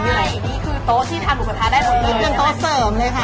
ใช่นี่คือโต๊ะที่ทำหมูกระทะได้หมดเลยเป็นโต๊ะเสริมเลยค่ะ